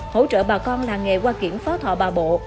hỗ trợ bà con làng nghề hoa kiển phó thọ bà bộ